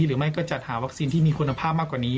หรือไม่ก็จัดหาวัคซีนที่มีคุณภาพมากกว่านี้